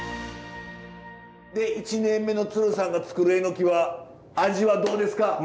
で１年目の鶴さんが作るえのきは味はどうですか？